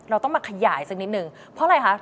เราต้องมาขยายสักนิดนึงเพราะอะไรคะ